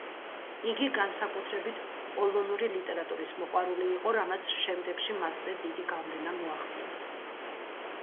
იგი, განსაკუთრებით, პოლონური ლიტერატურის მოყვარული იყო, რამაც შემდეგში მასზე დიდი გავლენა მოახდინა.